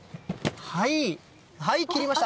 はい、はい、切りました。